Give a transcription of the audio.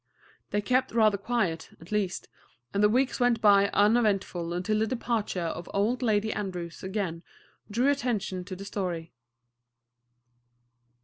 They kept rather quiet, at least; and the weeks went by uneventfully until the departure of Old Lady Andrews again drew attention to the story.